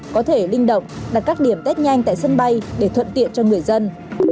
có thể linh động đặt các điểm test nhanh tại sân bay để thuận tiện cho người dân